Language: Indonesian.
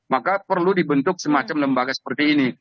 maka perlu dibentuk semacam lembaga seperti ini